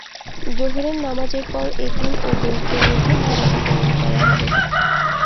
জোহর নামাজের পর এতিম ও গরিবদের মধ্যে খাবার বিতরণ করা হবে।